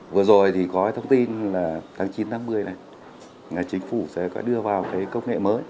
vừa rồi thì có thông tin là tháng chín tháng một mươi này nhà chính phủ sẽ đưa vào công nghệ mới